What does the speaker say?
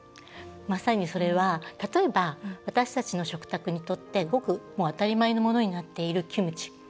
まさにそれは例えば、私たちの食卓にとってごく当たり前になっているキムチ。